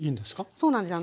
そうなんですよ。